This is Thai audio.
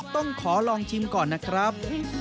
ต้องขอลองชิมก่อนนะครับ